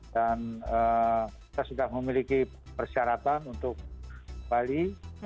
dan kita sudah memiliki persyaratan untuk bali